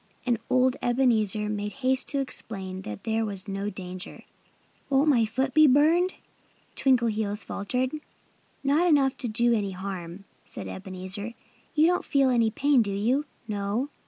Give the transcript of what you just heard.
And old Ebenezer made haste to explain that there was no danger. "Won't my foot be burned?" Twinkleheels faltered. "Not enough to do any harm," said Ebenezer. "You don't feel any pain, do you?" "No!"